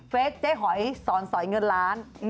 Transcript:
เจ๊หอยสอนสอยเงินล้าน